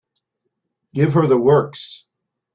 Give her the works.